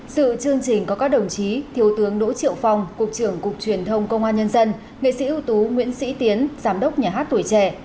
sự chương trình có các đồng chí thiếu tướng đỗ triệu phong cục trưởng cục truyền thông công an nhân dân nghệ sĩ ưu tú nguyễn sĩ tiến giám đốc nhà hát tuổi trẻ